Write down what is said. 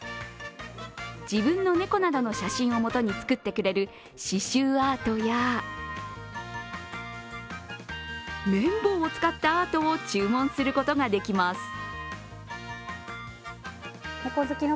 自分の猫などの写真をもとに作ってくれる、刺しゅうアートや綿棒を使ったアートを注文することができます。